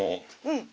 うん。